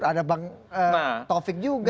ada bang taufik juga